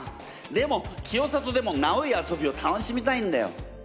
でも清里でもナウい遊びを楽しみたいんだよ。